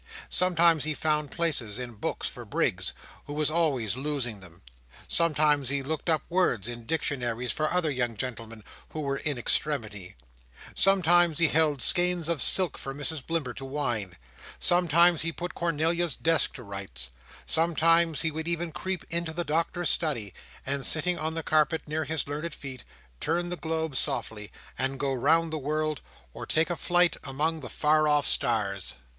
Sometimes he found places in books for Briggs, who was always losing them; sometimes he looked up words in dictionaries for other young gentlemen who were in extremity; sometimes he held skeins of silk for Mrs Blimber to wind; sometimes he put Cornelia's desk to rights; sometimes he would even creep into the Doctor's study, and, sitting on the carpet near his learned feet, turn the globes softly, and go round the world, or take a flight among the far off stars.